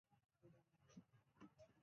کویلیو د روح د سفر موضوع بیان کړه.